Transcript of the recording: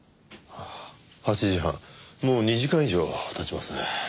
８時半もう２時間以上経ちますね。